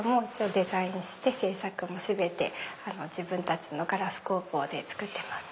デザインして制作も全て自分たちのガラス工房で作ってます。